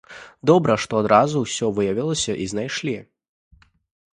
Добра, што адразу ўсё выявілася і знайшлі.